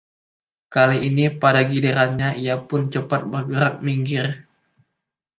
Kali ini, pada gilirannya, ia pun cepat bergerak minggir.